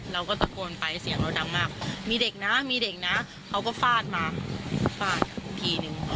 เราก็ตะโกนไปเสียงเราดังมากมีเด็กนะมีเด็กนะเขาก็ฟาดมาฟาดทีนึง